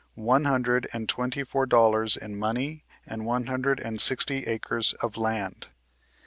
one hundred and twenty four dollars in money, and one hundred and sixty acres of land.